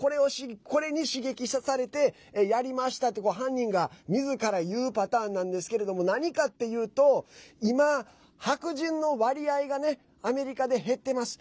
これに刺激されてやりましたと犯人がみずから言うパターンなんですけれども何かっていうと今、白人の割合がアメリカで減ってます。